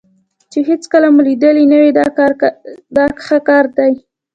چې هېڅکله مو لیدلی نه وي دا ښه کار دی.